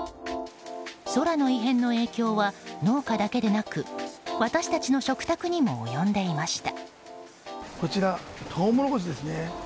空の異変の影響は農家だけでなく私たちの食卓にも及んでいました。